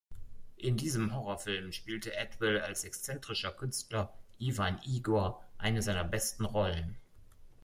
In diesem Horrorfilm spielte Atwill als exzentrischer Künstler Ivan Igor eine seiner besten Rollen.